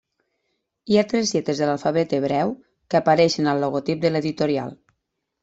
Hi ha tres lletres de l'alfabet hebreu que apareixen al logotip de l'editorial.